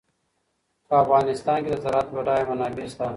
په افغانستان کې د زراعت بډایه منابع شته.